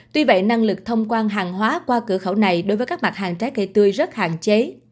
tuy vậy năng lực thông quan hàng hóa qua cửa khẩu này đối với các mặt hàng trái cây tươi rất hạn chế